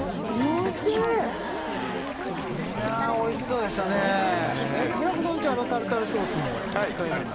いやあおいしそうでしたね平子さんちはあのタルタルソースもお使いになるんですか？